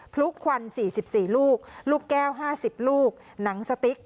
พลุควัน๔๔ลูกลูกแก้ว๕๐ลูกหนังสติ๊ก